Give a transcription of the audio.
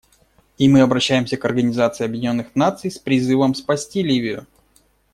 И мы обращаемся к Организации Объединенных Наций с призывом спасти Ливию.